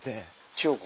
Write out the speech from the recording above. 千代子。